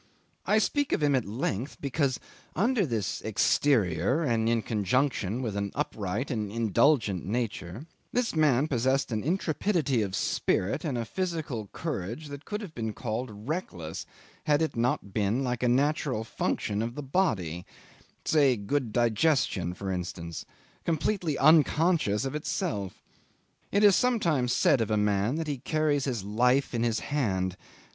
I speak of him at length, because under this exterior, and in conjunction with an upright and indulgent nature, this man possessed an intrepidity of spirit and a physical courage that could have been called reckless had it not been like a natural function of the body say good digestion, for instance completely unconscious of itself. It is sometimes said of a man that he carries his life in his hand.